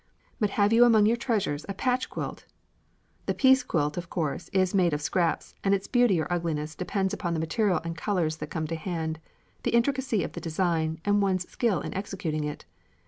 But have you among your treasures a patch quilt? The piece quilt, of course, is made of scraps, and its beauty or ugliness depends upon the material and colours that come to hand, the intricacy of the design, and one's skill in executing it.